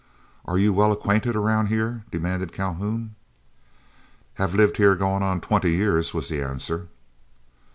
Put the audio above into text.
"Are you well acquainted around here?" demanded Calhoun. "Hev lived heah goin' on twenty years," was the answer.